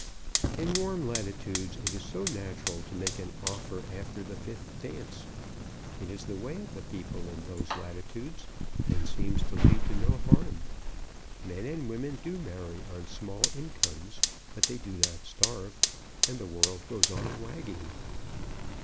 In warm latitudes it is so natural to make an offer after the fifth dance. It is the way of the people in those latitudes, and seems to lead to no harm. Men and women do marry on small incomes; but they do not starve, and the world goes on wagging.